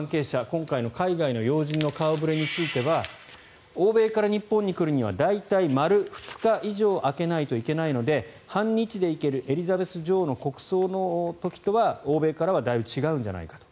今回の海外の要人の顔触れについては欧米から日本に来るには大体、丸２日以上空けないと行けないので半日で行けるエリザベス女王の国葬の時とは欧米からはだいぶ違うんじゃないかと。